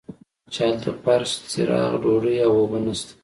چې هلته فرش چراغ ډوډۍ او اوبه نشته.